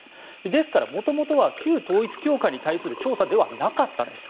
ですから、もともとは旧統一教会に対する調査ではなかったんです。